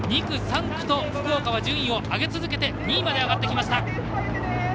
２区、３区と福岡は順位を上げ続けて２位まで上がってきました。